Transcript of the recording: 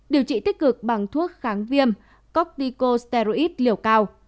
điều trị tích cực bằng thuốc kháng viêm corticosteroids liều cao